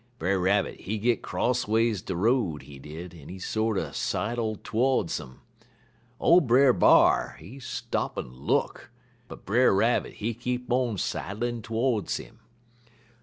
Brer Rabbit, he git crossways de road, he did, en he sorter sidle todes um. Ole Brer B'ar, he stop en look, but Brer Rabbit, he keep on sidlin' todes um.